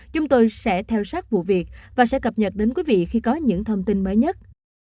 chúng tôi sẽ theo sát vụ việc và sẽ cập nhật đến quý vị khi có những thông tin mới nhất